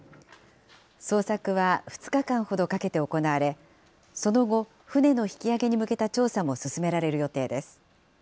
捜索は２日間ほどかけて行われ、その後、船の引き揚げに向けた調査も進められる予定です。